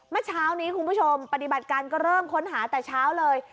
เมื่อเช้านี้คุณผู้ชมปฏิบัติการก็เริ่มค้นหาแต่เช้าเลย